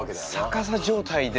逆さ状態で。